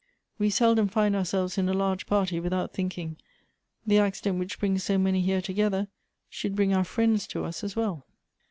" "We seldom find ourselves in a large party without thinking; the accident which brings so many here to gether, should bring our friends to us as well."